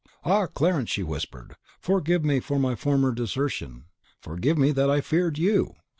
"Ah, Clarence!" she whispered, "forgive me for my former desertion, forgive me that I feared YOU.